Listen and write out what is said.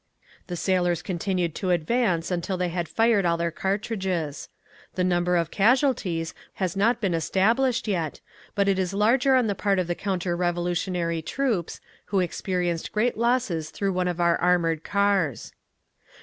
The sailors continued to advance until they had fired all their cartridges. The number of casualties has not been established yet, but it is larger on the part of the counter revolutionary troops, who experienced great losses through one of our armoured cars.